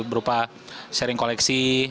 berupa sharing koleksi